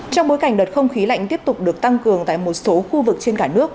trong bối cảnh đợt không khí lạnh tiếp tục được tăng cường tại một số khu vực trên cả nước